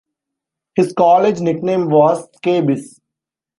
His college nickname was Scabies.